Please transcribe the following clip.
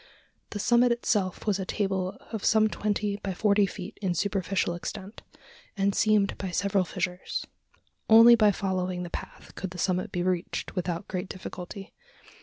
The summit itself was a table of some twenty by forty feet in superficial extent, and seamed by several fissures. Only by following the path could the summit be reached without great difficulty.